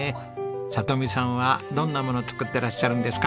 里美さんはどんなもの作ってらっしゃるんですか？